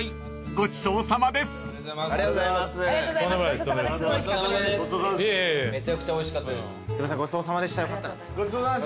ごちそうさまでした。